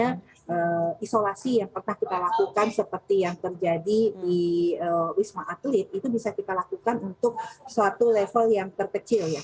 artinya ppkm level mikro ya artinya isolasi yang pernah kita lakukan seperti yang terjadi di wisma atlet itu bisa kita lakukan untuk suatu level yang terkecil ya